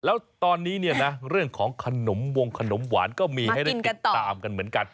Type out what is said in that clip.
แล้วตอนนี้เนี่ยนะเรื่องของขนมวงขนมหวานก็มีให้ได้ติดตามกันเหมือนกัน